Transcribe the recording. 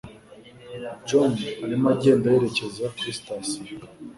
John arimo agenda yerekeza kuri sitasiyo.